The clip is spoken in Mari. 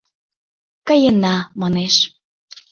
— Каена, — манеш.